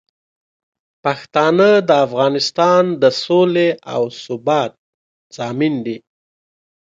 پښتانه د افغانستان د سولې او ثبات ضامن دي.